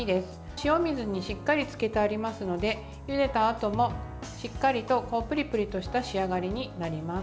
塩水にしっかりつけてありますのでゆでたあともしっかりと、プリプリとした仕上がりになります。